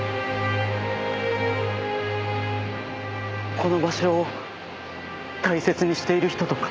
この場所を大切にしている人とか？